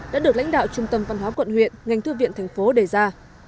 đã được lãnh đạo trung tâm văn hóa quận huyện ngành thư viện thành phố đề ra